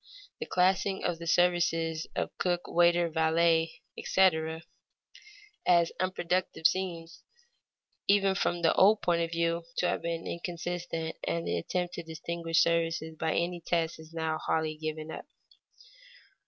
The classing of the services of cook, waiter, valet, etc., as unproductive seems, even from the old point of view, to have been inconsistent, and the attempt to distinguish services by any such test is now wholly given up.